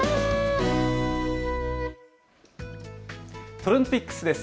ＴｒｅｎｄＰｉｃｋｓです。